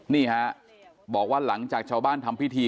นี่ฮะบอกว่าหลังจากชาวบ้านทำพิธี